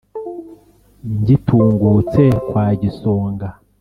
ngitungutse kwa gisonga